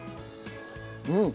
うん。